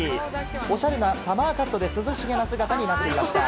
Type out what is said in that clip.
おしゃれなサマーカットで涼しげな姿になっていました。